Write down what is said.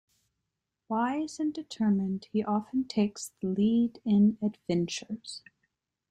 Wise and determined, he often takes the lead in adventures.